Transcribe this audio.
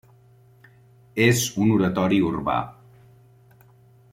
És un oratori urbà.